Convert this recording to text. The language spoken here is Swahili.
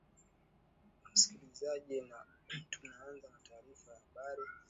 u musikilizaji na tunaanza na taarifa ya habari